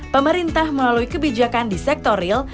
pemerintah melalui kebijakan di sektor real